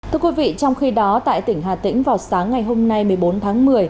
thưa quý vị trong khi đó tại tỉnh hà tĩnh vào sáng ngày hôm nay một mươi bốn tháng một mươi